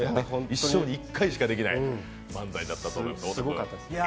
一生に一回しかできない漫才だと思います。